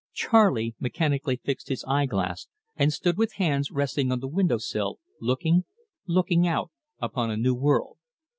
Charley mechanically fixed his eye glass and stood with hands resting on the window sill, looking, looking out upon a new world.